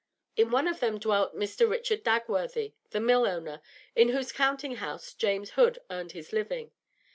In one of them dwelt Mr. Richard Dagworthy, the mill owner, in whose counting house James Hood earned his living.